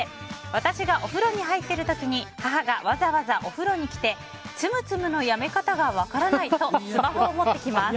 私がお風呂に入っている時に母がわざわざお風呂に来て「ツムツム」のやめ方が分からないとスマホを持ってきます。